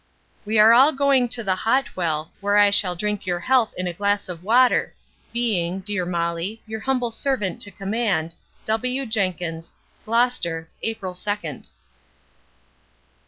We are all going to the Hot Well, where I shall drink your health in a glass of water, being, Dear Molly, Your humble servant to command, W. JENKINS GLOSTAR, April 2nd.